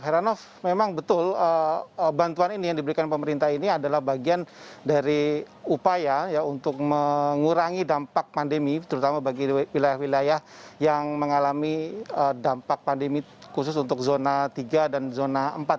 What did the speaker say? heranov memang betul bantuan ini yang diberikan pemerintah ini adalah bagian dari upaya untuk mengurangi dampak pandemi terutama bagi wilayah wilayah yang mengalami dampak pandemi khusus untuk zona tiga dan zona empat